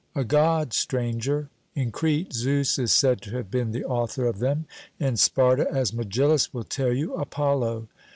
'A God, Stranger. In Crete, Zeus is said to have been the author of them; in Sparta, as Megillus will tell you, Apollo.'